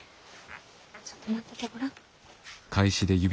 ちょっと待っててごらん。